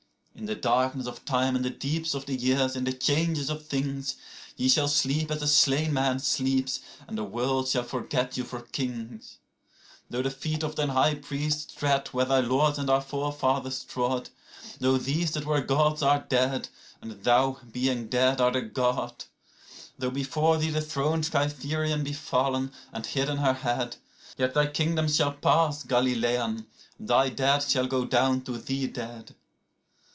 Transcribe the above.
69In the darkness of time, in the deeps of the years, in the changes of things,70Ye shall sleep as a slain man sleeps, and the world shall forget you for kings.71Though the feet of thine high priests tread where thy lords and our forefathers trod,72Though these that were Gods are dead, and thou being dead art a God,73Though before thee the throned Cytherean be fallen, and hidden her head,74Yet thy kingdom shall pass, Galilean, thy dead shall go down to thee dead.